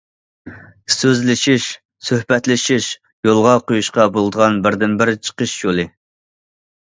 سۆزلىشىش، سۆھبەتلىشىش يولغا قويۇشقا بولىدىغان بىردىنبىر چىقىش يولى.